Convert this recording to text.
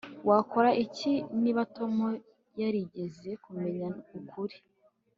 Wakora iki niba Tom yarigeze kumenya ukuri